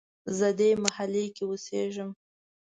زه دې محلې کې اوسیږم